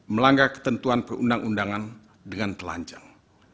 melanggar ketentuan perundang undangan dengan telanjang